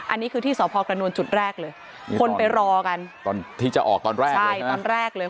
อันนี้คือที่สภกระนวลจุดแรกเลยคนไปรอกันที่จะออกตอนแรกเลย